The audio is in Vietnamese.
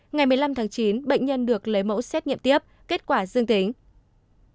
ngày một mươi năm tháng chín bệnh nhân được lấy mẫu xét nghiệm tiếp kết quả dương tính